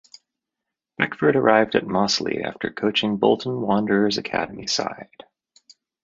Beckford arrived at Mossley after coaching Bolton Wanderers' Academy side.